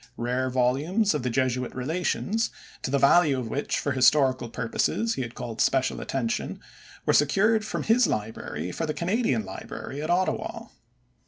Rare volumes of the Jesuit Relations, to the value of which for historical purposes he had called special attention, were secured from his library for the Canadian library at Ottawa.